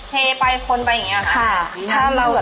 เทไปคนไปอย่างนี้ค่ะ